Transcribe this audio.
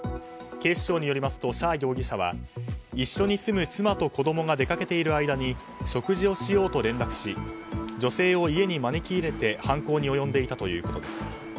警視庁によりますとシャー容疑者は一緒に住む妻と子供が出かけている間に食事をしようと連絡し女性を家に招き入れて犯行に及んでいたということです。